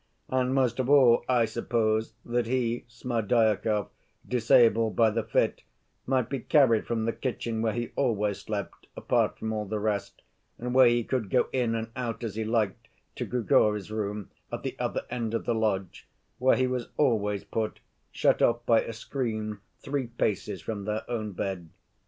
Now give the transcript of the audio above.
And, most of all, I suppose that he, Smerdyakov, disabled by the fit, might be carried from the kitchen, where he always slept, apart from all the rest, and where he could go in and out as he liked, to Grigory's room at the other end of the lodge, where he was always put, shut off by a screen three paces from their own bed.